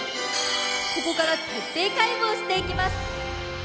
ここから徹底解剖していきます